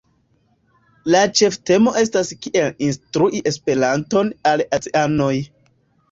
La ĉeftemo estas kiel instrui Esperanton al azianoj.